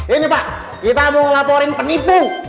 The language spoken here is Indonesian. ini pak kita mau laporin penipu